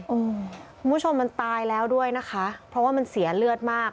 คุณผู้ชมมันตายแล้วด้วยนะคะเพราะว่ามันเสียเลือดมาก